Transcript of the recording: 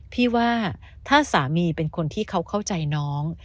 พี่ว่าถ้าสามีเป็นคนที่เขาเข้าใจน้อง